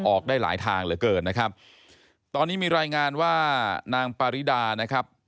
ออกได้หลายทางเหลือเกินนะครับตอนนี้มีรายงานว่านางปาริดานะครับ